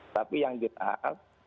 tapi yang jelas